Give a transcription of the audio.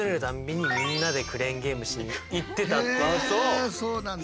へえそうなんだ。